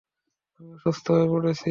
আমি অসুস্থ হয়ে পরছি।